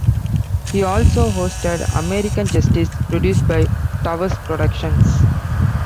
He also hosted "American Justice", produced by Towers Productions.